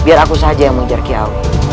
biar aku saja yang mengejar kial